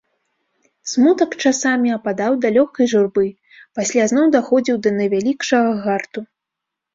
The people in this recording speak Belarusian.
Смутак часамі ападаў да лёгкай журбы, пасля зноў даходзіў да найвялікшага гарту.